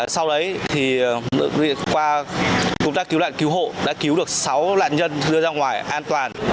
sau đấy thì lực lượng qua chúng ta cứu lạn cứu hộ đã cứu được sáu lạn nhân đưa ra ngoài an toàn